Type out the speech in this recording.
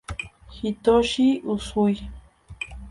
Hitoshi Usui